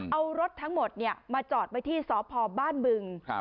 เอารถทั้งหมดมาจอดไว้ที่สพบ้านบึง